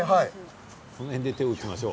この辺で手を打ちましょう。